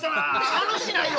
楽しないわ！